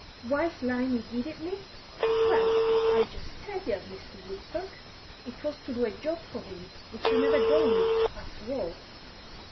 "Why Slimy give it me? Well, I'll jist tell yer, Mr. Woodstock. It was to do a job for him, which I never done it after all.